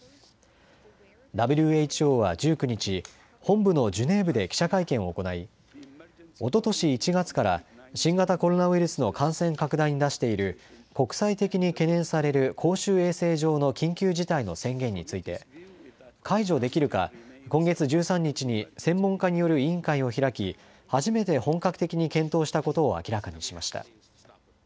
ＷＨＯは１９日、本部のジュネーブで記者会見を行いおととし１月から新型コロナウイルスの感染拡大に出している国際的に懸念される公衆衛生上の緊急事態の宣言について解除できるか今月１３日に専門家による委員会を開き初めて本格的に検討したことを明らかにしました。